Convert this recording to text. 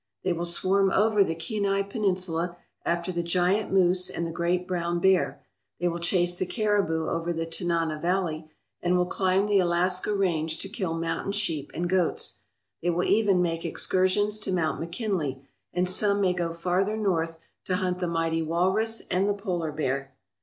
They will swarm over the Kenai Peninsula after the giant moose and the great brown bear, they will chase the caribou over the Tanana valley, and will climb the Alaska Range to kill mountain sheep and goats. They will even make excursions to Mount McKinley, and some may go farther north to hunt the mighty walrus and the polar bear.